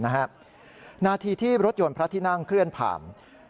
นาทีที่รถยนต์พระที่นั่งเคลื่อนผ่าน